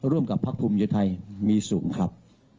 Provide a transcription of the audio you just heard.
ร่วมกับพักภูมิใจไทยมีสูงครับ